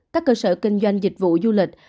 các cơ sở kinh doanh dịch vụ du lịch